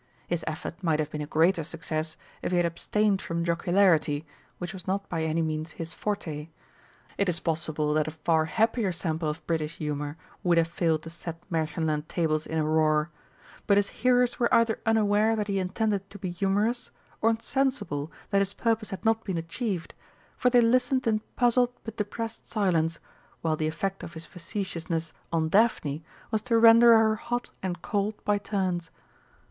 His effort might have been a greater success if he had abstained from jocularity, which was not by any means his forte. It is possible that a far happier sample of British humour would have failed to set Märchenland tables in a roar, but his hearers were either unaware that he intended to be humorous, or sensible that his purpose had not been achieved, for they listened in puzzled but depressed silence, while the effect of his facetiousness on Daphne was to render her hot and cold by turns.